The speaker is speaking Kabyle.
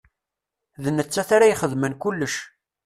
D nettat ara ixedmen kulec.